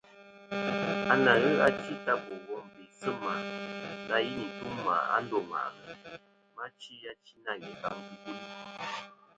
À nà ghɨ achi ta bò wom bê sɨ̂ mà na yi n-nî tum mà a ndô ŋwàʼlɨ, ma chi achi nâ ghè faŋ tɨ̀ buni.